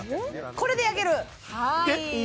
これで焼ける？